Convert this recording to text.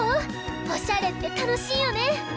おしゃれってたのしいよね！